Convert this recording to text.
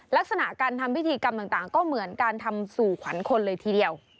ลักษณะการทำพิธีกรรมต่างก็เหมือนการทำสู่ขวัญคนเลยทีเดียว